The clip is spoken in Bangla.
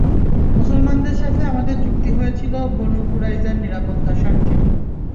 মুসলমানদের সাথে আমাদের চুক্তি হয়েছিল বনু কুরাইযার নিরাপত্তার স্বার্থেই।